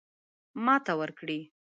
ماته ورکړي.